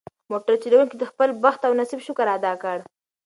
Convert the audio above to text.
موټر چلونکي د خپل بخت او نصیب شکر ادا کړ.